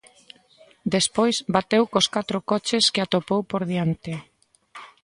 Despois, bateu cos catro coches que atopou por diante.